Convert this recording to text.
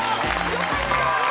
よかった。